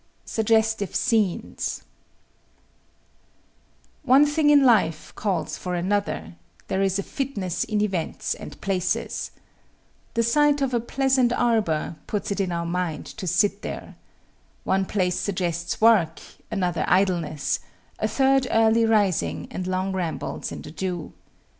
SUGGESTIVE SCENES One thing in life calls for another; there is a fitness in events and places. The sight of a pleasant arbor puts it in our mind to sit there. One place suggests work, another idleness, a third early rising and long rambles in the dew.